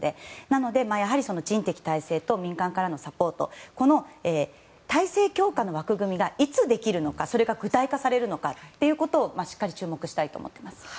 なので、人的体制と民間からのサポートの体制強化の枠組みがいつできるのかそれが具体化されるのかしっかり注目したいと思います。